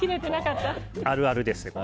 あるあるですね。